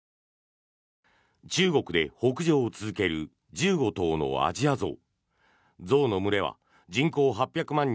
中国で北上を続ける１５頭のアジアゾウ。